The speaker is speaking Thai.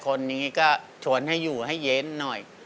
คนนี้ก็ชวนให้อยู่ให้เย็นหน่อย